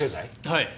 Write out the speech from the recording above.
はい。